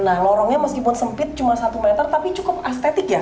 nah lorongnya meskipun sempit cuma satu meter tapi cukup estetik ya